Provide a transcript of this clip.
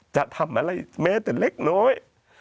จะทำอะไรแม้แต่เล็กน้อย